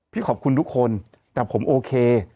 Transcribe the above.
ขอบคุณทุกคนแต่ผมโอเค